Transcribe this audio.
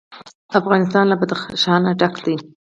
افغانستان له بدخشان ډک دی.